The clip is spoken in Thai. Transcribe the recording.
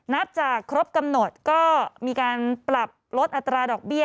นับจากครบกำหนดก็มีการปรับลดอัตราดอกเบี้ย